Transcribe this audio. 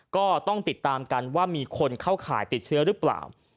ก็ต้องติดตามกันว่ามีคนเข้าข่ายติดเชื้อหรือเปล่า